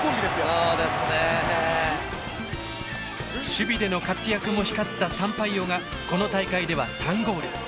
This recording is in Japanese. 守備での活躍も光ったサンパイオがこの大会では３ゴール。